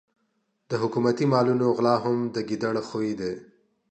د حکومتي مالونو غلا هم د ګیدړ خوی وو.